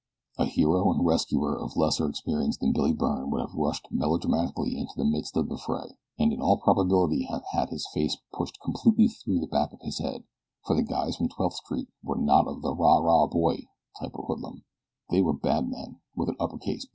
A hero and rescuer of lesser experience than Billy Byrne would have rushed melodramatically into the midst of the fray, and in all probability have had his face pushed completely through the back of his head, for the guys from Twelfth Street were not of the rah rah boy type of hoodlum they were bad men, with an upper case B.